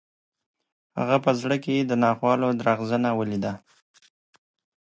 هغه په زړه کې د ناخوالو درغځنه ولیده.